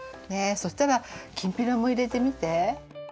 そしたらきんぴらも入れてみて。